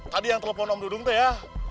tadi yang telepon om dudung tuh ya